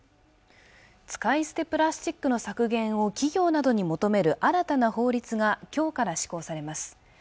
使い捨てプラスチックの削減を企業などに求める新たな法律が今日から施行されます